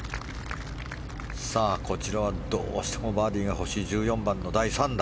こちらはどうしてもバーディーが欲しい１４番の第３打。